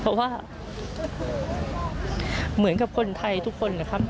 เพราะว่าเหมือนกับคนไทยทุกคนนะครับ